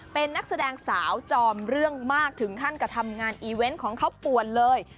เป็นนักแสดงสาวจอมเรื่องมากถึงขั้นกระทำงานอีเวนต์ของเขาป่วนเลย